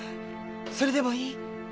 それでもいい？